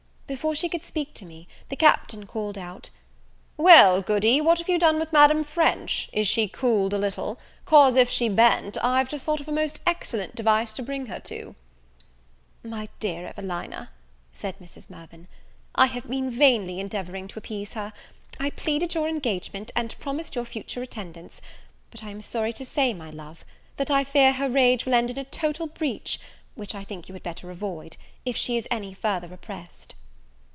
Before she could speak to me, the Captain, called out, "Well, Goody, what have you done with Madame French? is she cooled a little? cause if she ben't, I've just thought of a most excellent device to bring her to." "My dear Evelina," said Mrs. Mirvan, "I have been vainly endeavouring to appease her; I pleaded your engagement, and promised your future attendance: but I am sorry to say, my love, that I fear her rage will end in a total breach (which I think you had better avoid) if she is any further opposed."